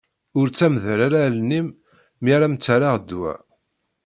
Ur ttamdal ara allen-im mi ara m-ttarraɣ ddwa.